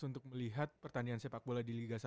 untuk melihat pertanian sepak bola di liga satu